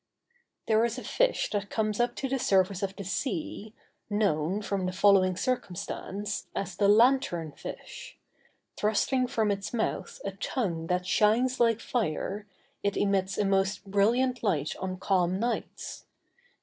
There is a fish that comes up to the surface of the sea, known, from the following circumstance, as the lantern fish: thrusting from its mouth a tongue that shines like fire, it emits a most brilliant light on calm nights.